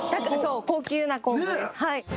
高級な昆布ですねえ！